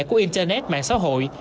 của internet mạng xã hội